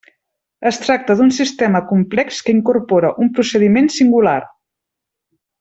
Es tracta d'un sistema complex que incorpora un procediment singular.